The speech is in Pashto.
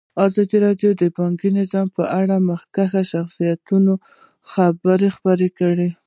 ازادي راډیو د بانکي نظام په اړه د مخکښو شخصیتونو خبرې خپرې کړي.